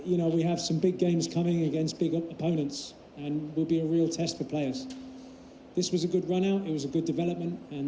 ini lebih tentang performa lebih tentang kita berpikir yakin dengan cara kita bermain